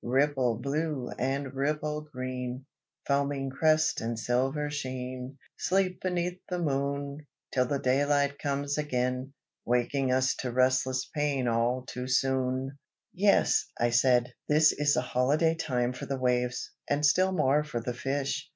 "Ripple blue and ripple green, Foaming crest and silver sheen, Sleep beneath the moon! Till the daylight comes again, Waking us to restless pain All too soon." "Yes," I said, "this is a holiday time for the waves, and still more for the fish.